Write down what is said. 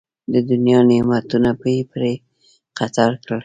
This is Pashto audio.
د دنیا نعمتونه یې پرې قطار کړي.